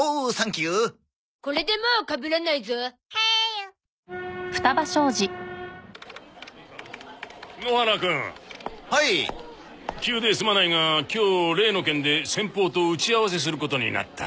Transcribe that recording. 急ですまないが今日例の件で先方と打ち合わせすることになった。